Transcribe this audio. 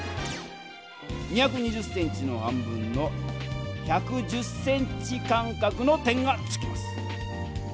２２０ｃｍの半分の１１０ｃｍ間かくの点がつきます。